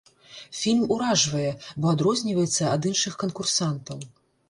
Фільм уражвае, бо адрозніваецца ад іншых канкурсантаў.